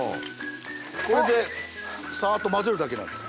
これでさっと混ぜるだけなんです。